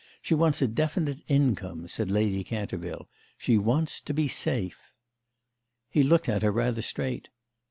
She wants a definite income," said Lady Canterville; "she wants to be safe." He looked at her rather straight.